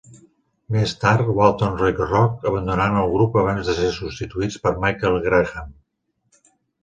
Més tard, Walton i Rock abandonarien el grup abans de ser substituïts per Michael Graham.